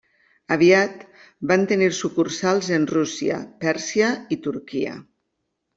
Aviat van tenir sucursals en Rússia, Pèrsia i Turquia.